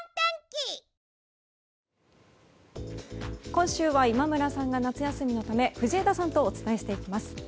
今週は今村さんが夏休みのため藤枝さんとお伝えしていきます。